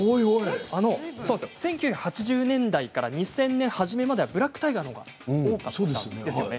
１９８０年代から２０００年初めごろまではブラックタイガーのほうが多かったんですよね。